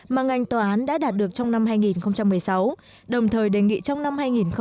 mà ngành tòa án đã đạt được trong năm hai nghìn một mươi sáu đồng thời đề nghị trong năm hai nghìn hai mươi